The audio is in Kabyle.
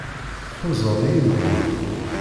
Tḥuzaḍ-iyi deg wul.